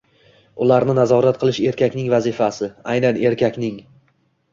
ularni nazorat qilish erkakning vazifasi, aynan erkakning.